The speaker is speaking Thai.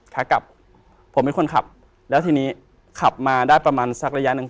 ขากลับผมเป็นคนขับแล้วทีนี้ขับมาได้ประมาณสักระยะหนึ่ง